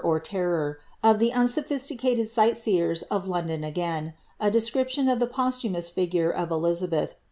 or terror, of the unsophisticated sight Beers of London again, i de scription of the posthumous figure of Eljzabeih.